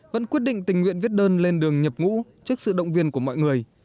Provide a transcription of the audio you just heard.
vẫn quyết định tình nguyện viết đơn lên đường nhập ngũ trước sự động viên của mọi người